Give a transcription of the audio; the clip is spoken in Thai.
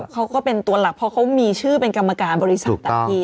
เขาก็เป็นตัวหลักเพราะเขามีชื่อเป็นกรรมการบริษัทตัดที